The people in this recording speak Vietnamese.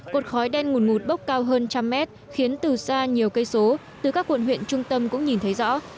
cột khói đen ngùn ngụt bốc cao hơn trăm mét khiến từ xa nhiều cây số từ các quận huyện trung tâm cũng nhìn thấy rõ